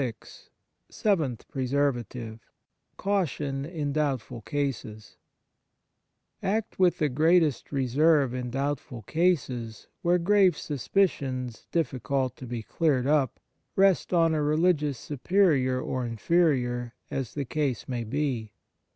61 XXVI SEVENTH PRESERVATIVE Caution in doubtful cases ACT with the greatest reserve in doubtful cases where grave suspicions, difficult to be cleared up, rest on a religious superior or inferior, as the case may be.